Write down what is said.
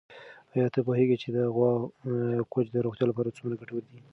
آیا ته پوهېږې چې د غوا کوچ د روغتیا لپاره څومره ګټور دی؟